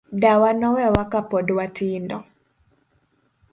Dawa nowewa ka pod watindo.